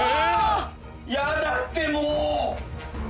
やだってもう！